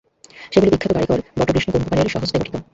সেগুলি বিখ্যাত কারিকর বটবৃষ্ণ কুম্ভকারের স্বহস্তে গঠিত।